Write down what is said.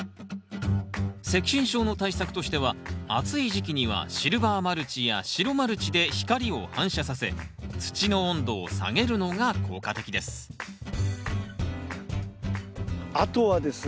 赤芯症の対策としては暑い時期にはシルバーマルチや白マルチで光を反射させ土の温度を下げるのが効果的ですあとはですね